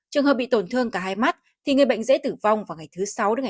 trường hợp bị tổn thương cả hai mắt thì người bệnh dễ tử vong vào ngày thứ sáu tám của bệnh